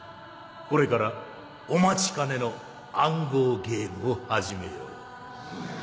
これからお待ちかねの暗号ゲームを始めよう。